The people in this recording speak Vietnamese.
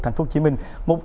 thành phố hồ chí minh